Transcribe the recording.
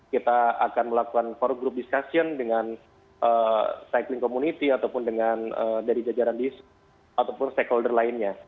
kita akan melakukan for group discussion dengan cycling community ataupun dengan dari jajaran ataupun stakeholder lainnya